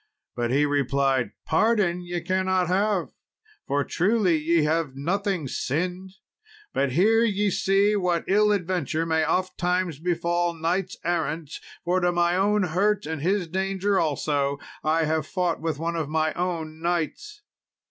But he replied, "Pardon ye cannot have, for, truly, ye have nothing sinned; but here ye see what ill adventure may ofttimes befall knights errant, for to my own hurt, and his danger also, I have fought with one of my own knights."